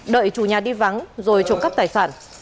đợi chủ nhà đi vắng rồi trộm cắp tài sản